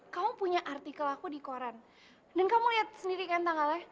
kamu punya artikel aku di koran dan kamu lihat sendiri kan tanggalnya